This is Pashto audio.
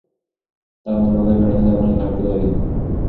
دغه ناروغي بېړنۍ درملنې ته اړتیا لري.